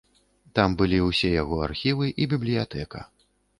Там былі ўсе яго архівы і бібліятэка.